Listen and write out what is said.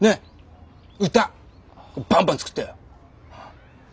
歌バンバン作ってよ。